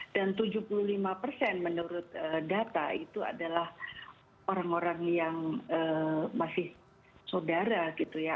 dan tujuh puluh lima persen menurut data itu adalah orang orang yang masih saudara